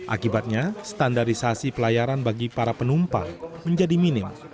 akibatnya standarisasi pelayaran bagi para penumpang menjadi minim